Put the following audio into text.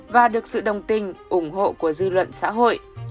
và được sự đồng tình ủng hộ của dư luận xã hội